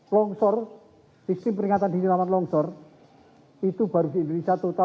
longsor sistem peringatan dini rawan longsor itu baru di indonesia total ada tiga ratus